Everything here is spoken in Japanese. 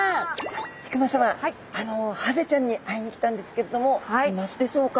引馬さまハゼちゃんに会いに来たんですけれどもいますでしょうか？